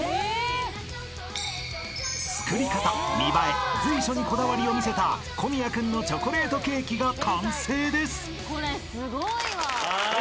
［作り方見栄え随所にこだわりを見せた小宮君のチョコレートケーキが完成です］